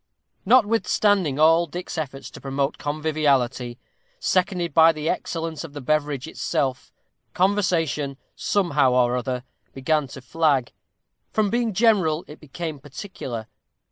Notwithstanding all Dick's efforts to promote conviviality, seconded by the excellence of the beverage itself, conversation, somehow or other, began to flag; from being general it became particular.